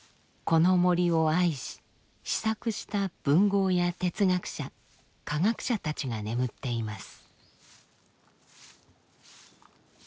この森を愛し思索した文豪や哲学者科学者たちが眠っています。